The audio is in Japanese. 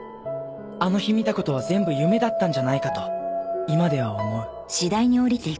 あの日見た事は全部夢だったんじゃないかと今では思う